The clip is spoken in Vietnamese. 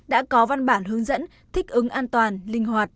đã có văn bản hướng dẫn thích ứng an toàn linh hoạt